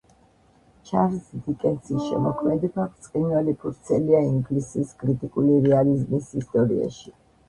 ჩარლზ დიკენსის შემოქმედება ბრწყინვალე ფურცელია ინგლისის კრიტიკული რეალიზმის ისტორიაში.